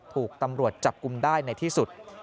ถูกตำรวจจับกลุ่มได้ในที่สุด